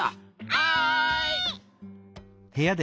はい！